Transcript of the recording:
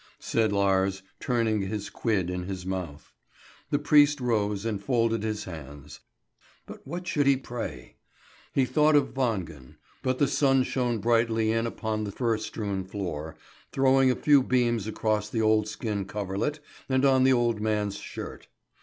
said Lars, turning his quid in his mouth. The priest rose and folded his hands; but what should he pray? He thought of Wangen. But the sun shone brightly in upon the fir strewn floor, throwing a few beams across the old skin coverlet and on the old man's shirt.